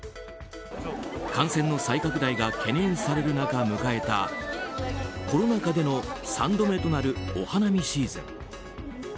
感染の再拡大が懸念される中迎えたコロナ禍での３度目となるお花見シーズン。